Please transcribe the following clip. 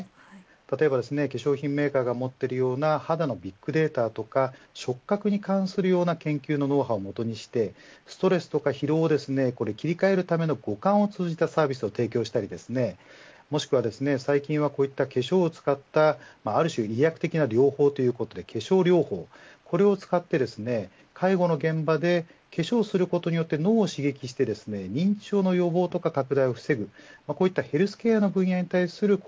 例えば、化粧品メーカーが持っているような肌のビッグデータとか触覚に関するような研究のノウハウを基にしてストレスとか疲労をですね切り替えるための五感を通じたサービスを提供したりもしくは、最近はこういった化粧を使ったある種、飛躍的な療法ということで化粧療法これを使って介護の現場で化粧をすることによって脳を刺激して認知症の予防とか拡大を防ぐ